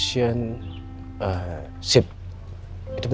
tidak ada hubungan beracun